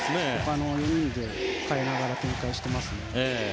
４人で代えながら展開していますね。